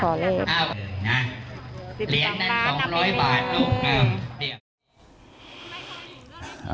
๑๓ล้าน๒๐๐บาท